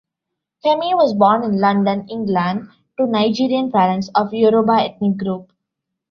Femi was born in London, England, to Nigerian parents of the Yoruba ethnic group.